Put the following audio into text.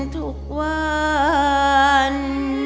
ทุกวัน